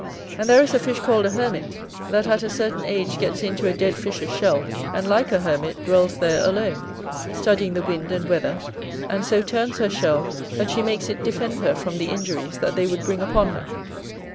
And there is a fish called a Hermit, that at a certain age gets into a dead fish's shell, and, like a hermit, dwells there alone, studying the wind and weather and so turns her shell, that she makes it defend her from the injuries that they would bring upon her.